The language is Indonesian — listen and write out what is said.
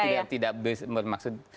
saya tidak bermaksud